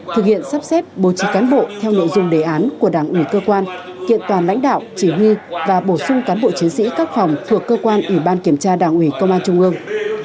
thực hiện sắp xếp bố trí cán bộ theo nội dung đề án của đảng ủy cơ quan kiện toàn lãnh đạo chỉ huy và bổ sung cán bộ chiến sĩ các phòng thuộc cơ quan ủy ban kiểm tra đảng ủy công an trung ương